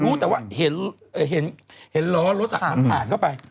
รู้แต่ว่าเห็นล้อรถมันผ่านเข้าไป